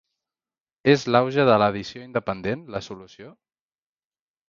És l’auge de l’edició independent la solució?